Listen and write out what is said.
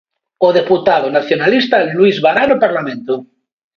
O deputado nacionalista Luís Bará no Parlamento.